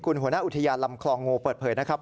คุณหัวหน้าอุทยานลำคลองงูเปิดเผยนะครับ